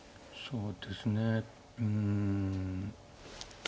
そうですねうん。